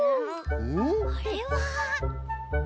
あれは。